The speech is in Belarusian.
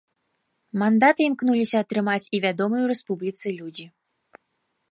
Мандаты імкнуліся атрымаць і вядомыя ў рэспубліцы людзі.